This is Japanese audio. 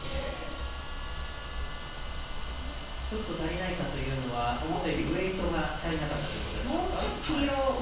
ちょっと足りないかというのは思ったよりウエイトが足りなかったということでしょうか？